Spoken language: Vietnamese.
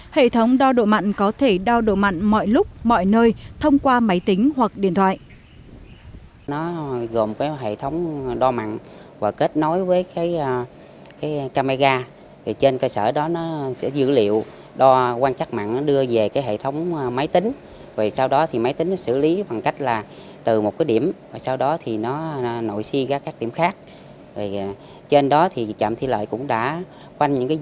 hệ thống đo độ mặn có thể đo độ mặn mọi lúc mọi nơi thông qua máy tính hoặc điện thoại